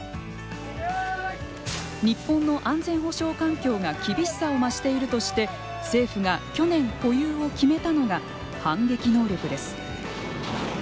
日本の安全保障環境が厳しさを増しているとして政府が去年保有を決めたのが反撃能力です。